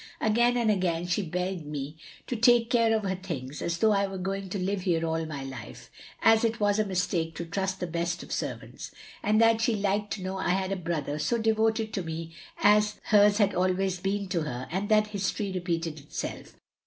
Again and again she begged me to take care of her things {as though I were going to live here all my life) as it was a mistake to trust the best of servants; and that she liked to know I had a brother so devoted to me as her's had always been to her^ and that history repeated itself.